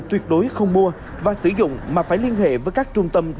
tuyệt đối không mua và sử dụng mà phải liên hệ với các cơ quan nhà nước cấp